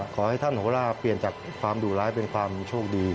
ขอให้ท่านโหลาเปลี่ยนจากความดุร้ายเป็นความโชคดี